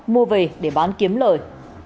mua về để bán kiếm lời